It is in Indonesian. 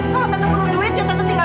kalau tante perlu duit ya tante tinggal